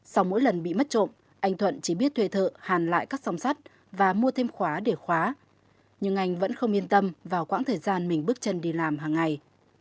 sau mỗi lần bị mất trộm anh thuận chỉ biết thuê thợ hàn lại các song sắt và mua thêm khóa để khóa nhưng anh vẫn không yên tâm vào quãng thời gian mình bước chân đi làm hàng ngày